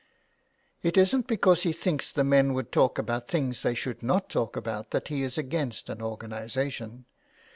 " It isn't because he thinks the men would talk about things they should not talk about that he is against an organization.